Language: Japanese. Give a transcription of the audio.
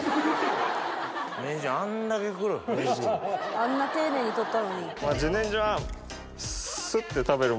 あんな丁寧に取ったのに。